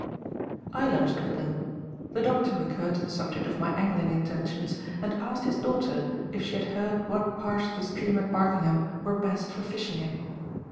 I lunched with them. The doctor recurred to the subject of my angling intentions, and asked his daughter if she had heard what parts of the stream at Barkingham were best for fishing in.